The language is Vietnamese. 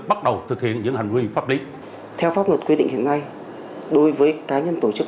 bắt đầu thực hiện những hành vi pháp lý theo pháp luật quy định hiện nay đối với cá nhân tổ chức